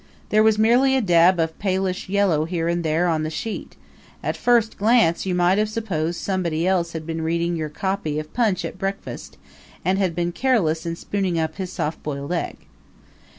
There was merely a dab of palish yellow here and there on the sheet; at first glance you might have supposed somebody else had been reading your copy of Punch at breakfast and had been careless in spooning up his soft boiled egg.